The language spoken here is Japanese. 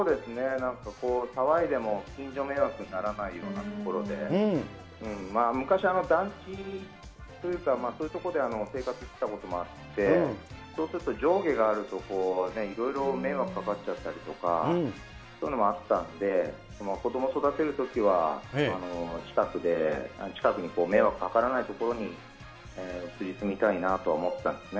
なんか騒いでも、近所迷惑にならないような所で、昔、団地っていうか、そういう所で生活していたこともあって、そうすると、上下があると、いろいろ迷惑かかっちゃったりとか、そういうのもあったんで、子ども育てるときは、近くに迷惑かからない所に移り住みたいなと思ったんですね。